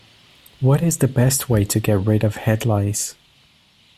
What is the best way to get rid of head lice?